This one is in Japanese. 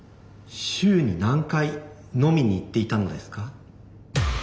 週に何回飲みに行っていたのですか？